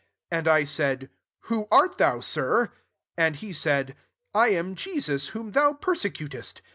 15 And I said, * Who art thou, Sir ?' And he said, < I am Jesus, whom thou persecutest.